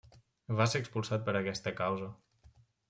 Va ser expulsat per aquesta causa.